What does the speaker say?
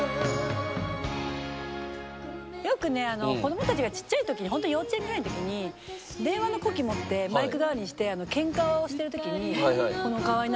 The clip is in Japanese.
よくね子供たちがちっちゃい時にホント幼稚園ぐらいの時に電話の子機持ってマイク代わりにしてケンカをしてる時にこの河合奈保子さんの。